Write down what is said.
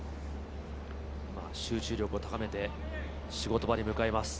集中力を高めて仕事場に向かいます。